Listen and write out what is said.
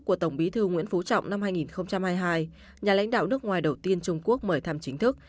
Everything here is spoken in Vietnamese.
của tổng bí thư nguyễn phú trọng năm hai nghìn hai mươi hai nhà lãnh đạo nước ngoài đầu tiên trung quốc mời thăm chính thức